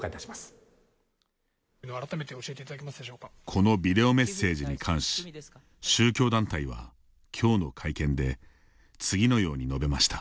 このビデオメッセージに関し宗教団体は、きょうの会見で次のように述べました。